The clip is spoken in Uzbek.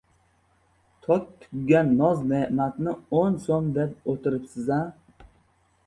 — Tok tuggan noz-ne’matni o‘n so‘m deb o‘tiribsiz-a!